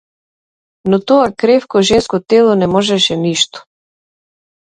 Но тоа кревко женско тело не можеше ништо.